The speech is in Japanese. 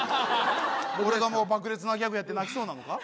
俺がもう爆裂なギャグやって泣きそうなのか？